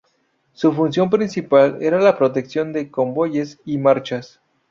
Su función principal era la protección de convoyes y marchas.